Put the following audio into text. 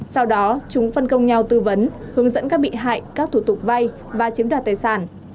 sau đó chúng phân công nhau tư vấn hướng dẫn các bị hại các thủ tục vay và chiếm đoạt tài sản